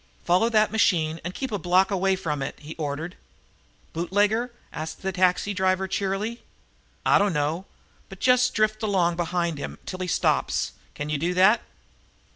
"Follow that machine and keep a block away from it," he ordered. "Bootlegger?" asked the taxi driver cheerily. "I don't know, but just drift along behind him till he stops. Can you do that?"